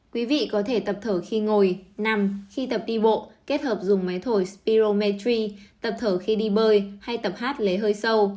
quý vị có thể tập thở khi ngồi nằm khi tập đi bộ kết hợp dùng máy thổi spiro matri tập thở khi đi bơi hay tập hát lấy hơi sâu